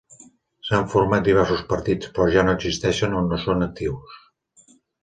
S'han format diversos partits però ja no existeixen o no són actius.